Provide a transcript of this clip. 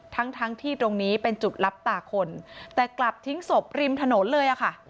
ทั้งทั้งที่ตรงนี้เป็นจุดรับตาคนแต่กลับทิ้งศพริมถนนเลยอะค่ะ